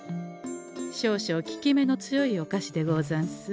少々効き目の強いお菓子でござんす。